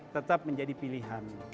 tetap menjadi pilihan